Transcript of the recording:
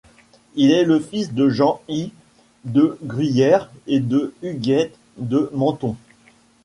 Il est le fils de Jean I de Gruyère et de Huguette de Menthon.